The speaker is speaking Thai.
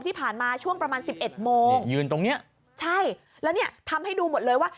ที่ผ่านมาช่วงประมาณสิบเอ็ดโมงยืนตรงเนี้ยใช่แล้วเนี่ยทำให้ดูหมดเลยว่า